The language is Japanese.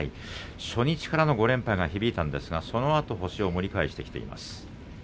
初日からの５連敗が響いたんですがそのあと星を盛り返してきています。